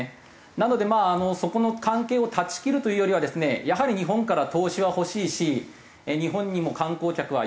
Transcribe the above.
なのでそこの関係を断ち切るというよりはですねやはり日本から投資は欲しいし日本にも観光客は行きたいし。